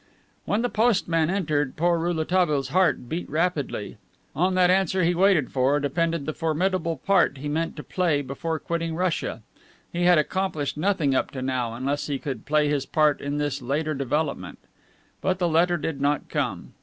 When the postman entered, poor Rouletabille's heart beat rapidly. On that answer he waited for depended the formidable part he meant to play before quitting Russia. He had accomplished nothing up to now, unless he could play his part in this later development. But the letter did not come.